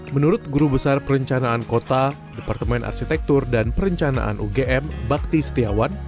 menurut guru besar perencanaan kota departemen arsitektur dan perencanaan ugm bakti setiawan